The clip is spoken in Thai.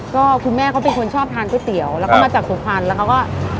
ก็คุณแม่เขาเป็นคนชอบทานก๋วยเตี๋ยวแล้วก็มาจากสุพรรณแล้วเขาก็